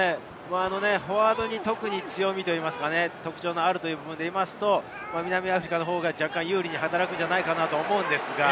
フォワードの強みといいますか、特徴のある部分でいうと、南アフリカの方が若干有利に働くのではないかと思いますが。